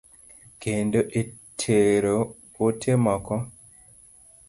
Kendo e tero ote moko.